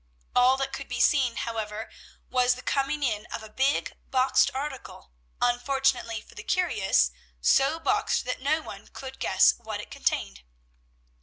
All that could be seen, however, was the coming in of a big boxed article, unfortunately for the curious, so boxed that no one could even guess what it contained.